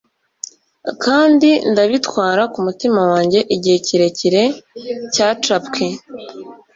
kandi ndabitwara kumutima wanjye igihe kirekire cyacapwe